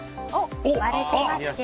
割れてますけど。